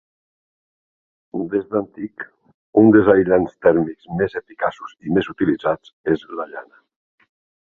Des d'antic, un dels aïllants tèrmics més eficaços i més utilitzats és la llana.